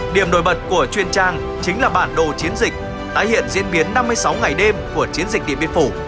điểm nổi bật của truyền trang chính là bản đồ chiến dịch tái hiện diễn biến năm mươi sáu ngày đêm của chiến dịch điện biên phủ